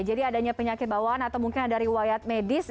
jadi adanya penyakit bawaan atau mungkin ada riwayat medis